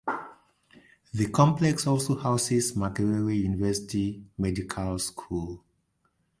The complex also houses Makerere University Medical School.